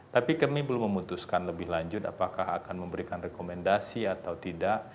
tapi kami belum memutuskan lebih lanjut apakah akan memberikan rekomendasi atau tidak